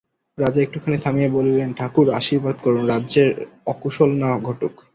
রাজা একটুখানি থামিয়া বলিলেন, ঠাকুর, আশীর্বাদ করুন, রাজ্যের অকুশল না ঘটুক।